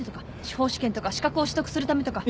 司法試験とか資格を取得するためとか。